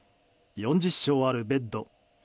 ４０床あるベッド。